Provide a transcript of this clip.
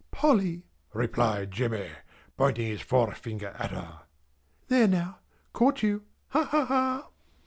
"Polly!" replied Jemmy, pointing his forefinger at her. "There now! Caught you! Ha, ha, ha!"